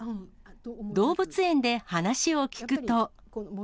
動物園で話を聞くと。